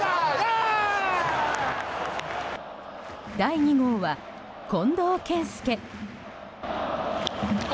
第２号は近藤健介。